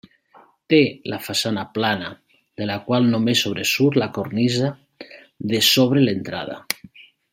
Té la façana plana, de la qual només sobresurt la cornisa de sobre l'entrada.